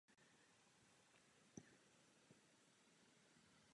Za její vlády byl Gruzínským státem podroben každý sousední muslimský stát.